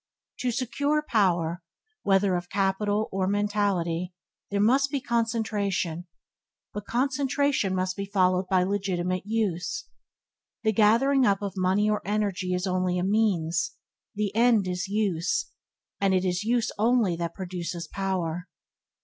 To secure power, whether of capital or mentality, there must be concentration, but concentration must be followed by legitimate use. The gathering up of money or energy is only a means; the end is use; and it is use only that produces power.